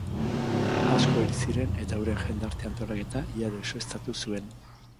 Asko hil ziren eta euren jendarte-antolaketa ia deuseztatu zuen.